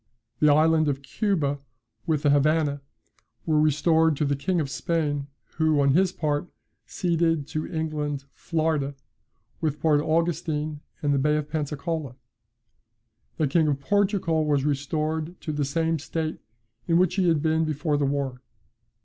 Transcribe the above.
The island of Cuba, with the Havannah, were restored to the King of Spain, who, on his part, ceded to England Florida, with Port Augustine and the Bay of Pensacola. The King of Portugal was restored to the same state in which he had been before the war.